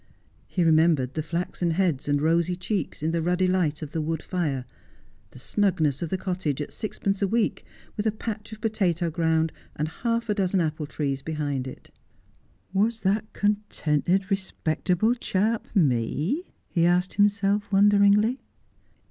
He remembered the flaxen heads and rosy cheeks in the ruddy light of the wood fire — the snugness of the cottage, at sixpence a week, with a patch of potato ground, and half a dozen apple trees behind it. ' Was that contented, respectable chap me ?' he asked himself wonderingly.